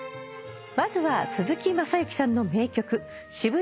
まずは鈴木雅之さんの名曲『渋谷で５時』